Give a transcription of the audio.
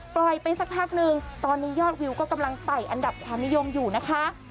ไปสักพักนึงตอนนี้ยอดวิวก็กำลังใส่อันดับความนิยมอยู่นะคะ